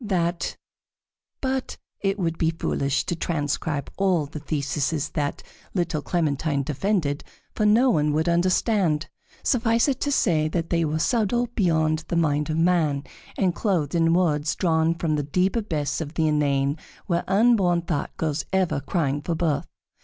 That but it would be foolish to transcribe all the theses that little Clementine defended, for no one would understand. Suffice it to say that they were subtle beyond the mind of man, and clothed in words drawn from the deep abyss of the inane, where unborn thought goes ever crying for birth.